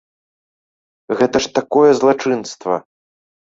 Гэта ж такое злачынства!